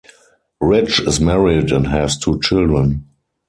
Rich is married and has two children.